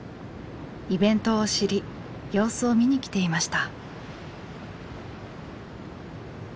イベントを知り様子を見に来ていました。